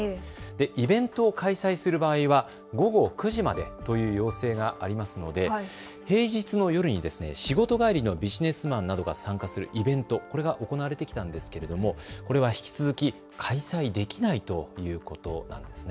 イベントを開催する場合は午後９時までという要請がありますので平日の夜に仕事帰りのビジネスマンなどが参加するイベントが行われてきたんですけれども、これは引き続き開催できないということなんです。